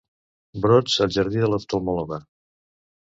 Brots al jardí de l'oftalmòloga.